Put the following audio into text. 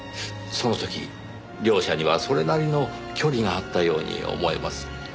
その時両者にはそれなりの距離があったように思えます。